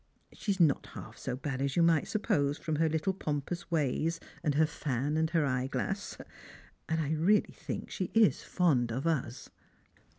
She is not half so bad as you might suppose from her little pompous ways and her fan and eyeglass; and I really think she is fond of us."